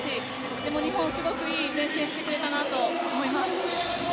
でも日本ｍすごくいい善戦してくれたと思います。